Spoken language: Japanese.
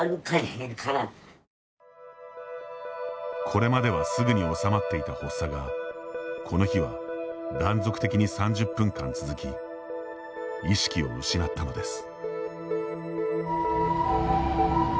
これまではすぐに治まっていた発作がこの日は、断続的に３０分間続き意識を失ったのです。